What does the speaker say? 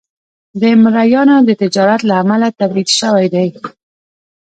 د مریانو د تجارت له امله تبعید شوی دی.